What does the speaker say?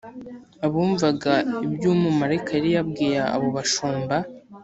abumvaga ibyo umumarayika yari yabwiye abo bashumba